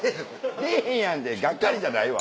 「出ぇへんやん」ってがっかりじゃないわ。